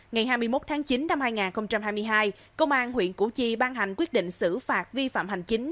ngày hai mươi một tháng chín năm hai nghìn hai mươi hai công an huyện củ chi ban hành quyết định xử phạt vi phạm hành chính